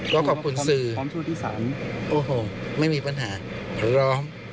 ก็ขอบคุณสื่อพร้อมช่วงที่๓โอ้โหไม่มีปัญหาร้อง